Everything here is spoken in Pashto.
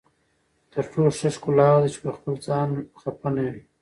تر ټولو ښه ښکلا هغه ده چې پخپل ځان خفه نه وي.